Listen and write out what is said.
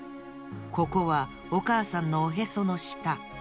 ここはおかあさんのおへそのした。